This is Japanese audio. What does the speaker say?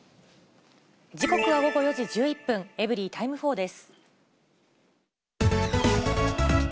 時刻は午後４時１１分、エブリィタイム４です。